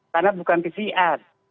karena bukan pcr